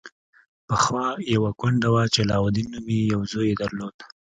پخوا یوه کونډه وه چې علاوالدین نومې یو زوی یې درلود.